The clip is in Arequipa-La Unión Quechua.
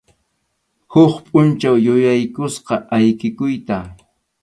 Huk pʼunchaw yuyaykusqa ayqikuyta.